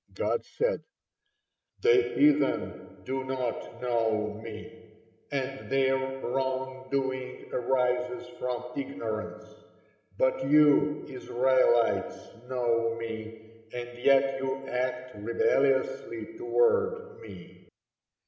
God said: "The heathen do not know Me, and their wrong doing arises from ignorance; but you, Israelites, know Me, and yet you act rebelliously toward Me."